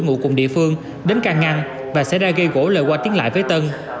ngủ cùng địa phương đến càng ngăn và xảy ra gây gỗ lời qua tiếng lại với tân